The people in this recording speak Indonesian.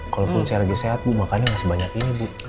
kalaupun saya lagi sehat makanya masih banyak ini bu